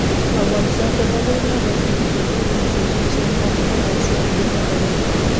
افغانستان تر هغو نه ابادیږي، ترڅو د نساجي صنعت خپل ارزښت بیرته پیدا نکړي.